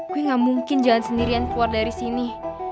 gue gak mungkin jalan sendirian keluar dari sini